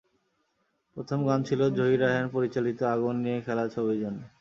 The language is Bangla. প্রথম গান ছিল জহির রায়হান পরিচালিত আগুন নিয়ে খেলা ছবির জন্য।